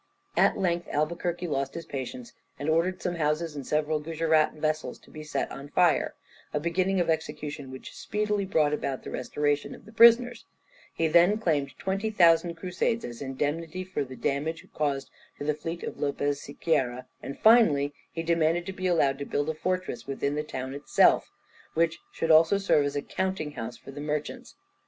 At length Albuquerque lost his patience, and ordered some houses and several Gujerat vessels to be set on fire, a beginning of execution which speedily brought about the restoration of the prisoners; he then claimed 20,000 crusades as indemnity for the damage caused to the fleet of Lopez Sequeira, and finally he demanded to be allowed to build a fortress within the town itself, which should also serve as a counting house for the merchants.